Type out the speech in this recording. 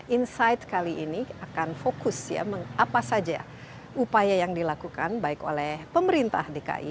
insight kali ini akan fokus ya apa saja upaya yang dilakukan baik oleh pemerintah dki